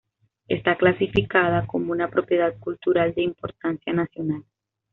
Está clasificada como una Propiedad Cultural de Importancia Nacional.